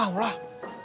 gak mau lah